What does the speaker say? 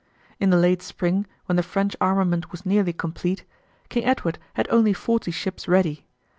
In the late spring when the French armament was nearly complete, King Edward had only forty ships ready.